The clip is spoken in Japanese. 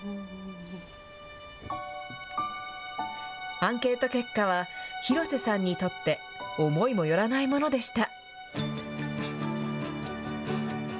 アンケート結果は、広瀬さんにとって思いもよらないものでした。